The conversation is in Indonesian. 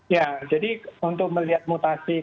ya jadi untuk melihat mutasi